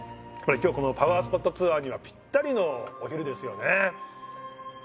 これ今日このパワースポットツアーにはピッタリのお昼ですよね。